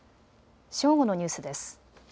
正午のニュースです。